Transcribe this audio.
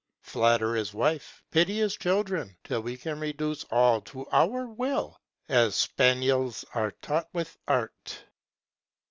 Flatter his wife, pity his children, till we can Reduce all to our will, as spaniels are taught with art.'